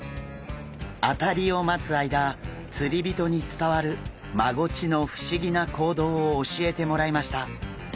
あたりを待つ間釣り人に伝わるマゴチの不思議な行動を教えてもらいました。